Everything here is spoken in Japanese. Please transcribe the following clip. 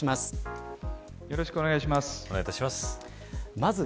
よろしくお願いします。